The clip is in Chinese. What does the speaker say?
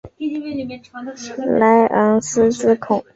莱昂西兹孔。